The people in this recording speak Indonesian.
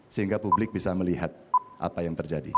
sehingga publik bisa melihat apa yang terjadi